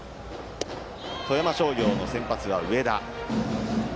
富山商業の先発は上田。